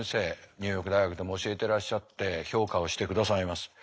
ニューヨーク大学でも教えてらっしゃって評価をしてくださいます。